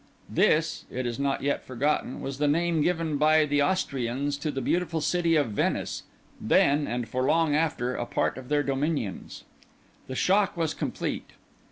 This (it is not yet forgotten) was the name given by the Austrians to the beautiful city of Venice, then, and for long after, a part of their dominions. The shock was complete.